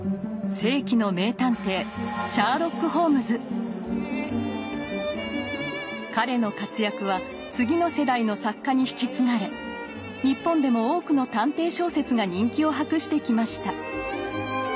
世紀の名探偵彼の活躍は次の世代の作家に引き継がれ日本でも多くの探偵小説が人気を博してきました。